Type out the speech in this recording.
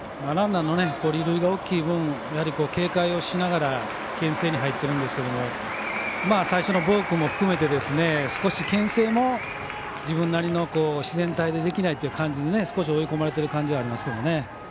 ランナーの離塁が大きい分やはり警戒をしながらけん制に入ってるんですけど最初のボークも含めて少しけん制も自分なりの自然体でできないということで少し追い込まれてる感じがありますけどね。